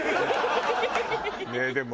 ねえでも。